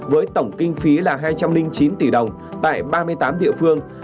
với tổng kinh phí là hai trăm linh chín tỷ đồng tại ba mươi tám địa phương